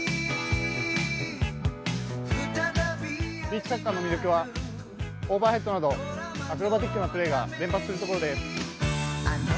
ビーチサッカーの魅力はオーバーヘッドなどアクロバティックなプレーが連発するところです。